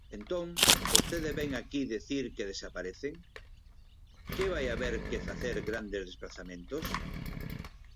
Entón, ¿vostede vén aquí dicir que desaparecen?, ¿que vai haber que facer grandes desprazamentos?